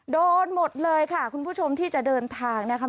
โดนหมดเลยค่ะคุณผู้ชมที่จะเดินทางนะคะ